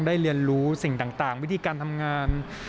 เรียนรู้สิ่งต่างวิธีการทำงาน